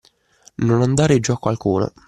Non andare giù a qualcuno.